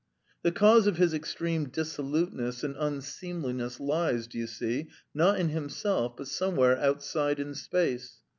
The cause of his extreme dissoluteness and unseemliness lies, do you see, not in himself, but somewhere outside in space.